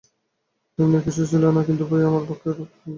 নিম্নে কিছুই ছিল না, কিন্তু ভয়ে আমার বক্ষের রক্ত স্তম্ভিত হইয়া গেল।